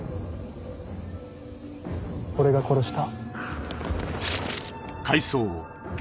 俺が殺した。